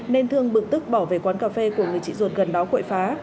nên thương bực tức bỏ về quán cà phê của người chị ruột gần đó quậy phá